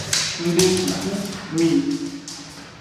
Ngdekuku mi.